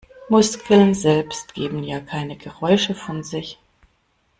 Muskeln selbst geben ja keine Geräusche von sich.